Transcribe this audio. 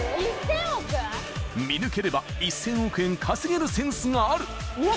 ［見抜ければ１，０００億円稼げるセンスがある］